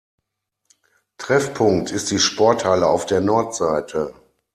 Treffpunkt ist die Sporthalle auf der Nordseite.